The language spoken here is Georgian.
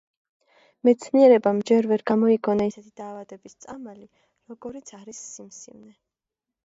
მეცნიერებამ ჯერ ვერ გამოიგონა ისეთი დაავადების წამალი, როგორიც არის სიმსივნე.